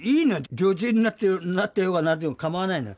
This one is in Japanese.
女中になってようがなってまいが構わないのよ。